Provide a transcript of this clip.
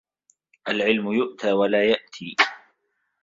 العلم يُؤْتَى ولا يَأْتِي